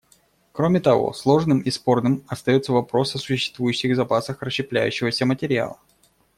Кроме того, сложным и спорным остается вопрос о существующих запасах расщепляющегося материала.